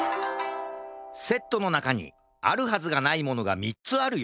セットのなかにあるはずがないものが３つあるよ。